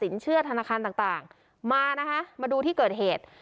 เชื่อธนาคารต่างมานะคะมาดูที่เกิดเหตุ